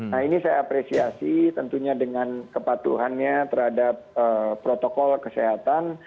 nah ini saya apresiasi tentunya dengan kepatuhannya terhadap protokol kesehatan